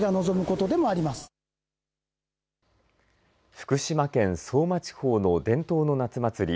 福島県相馬地方の伝統の夏祭り